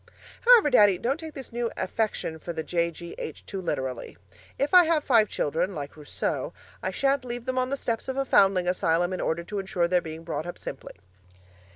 However, Daddy, don't take this new affection for the J.G.H. too literally. If I have five children, like Rousseau, I shan't leave them on the steps of a foundling asylum in order to insure their being brought up simply.